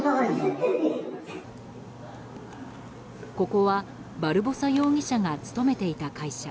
ここはバルボサ容疑者が勤めていた会社。